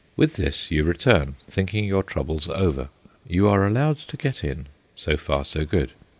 With this you return, thinking your troubles over. You are allowed to get in, so far so good.